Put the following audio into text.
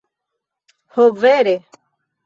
Ho, vere.